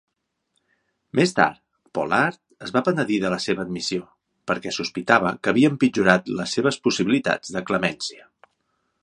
Més tard, Pollard es va penedir de la seva admissió, perquè sospitava que havia empitjorat les seves possibilitats de clemència.